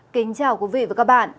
kính chào quý vị và các bạn